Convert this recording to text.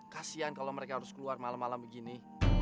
kasian kalo mereka harus keluar malem malem begini